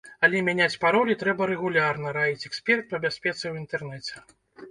Але мяняць паролі трэба рэгулярна, раіць эксперт па бяспецы ў інтэрнэце.